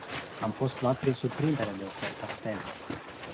Am fost luat prin surprindere de oferta Stelei.